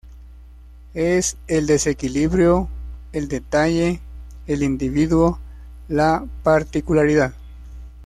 Es el desequilibrio, el detalle, el individuo, la particularidad.